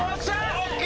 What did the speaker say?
・ＯＫ！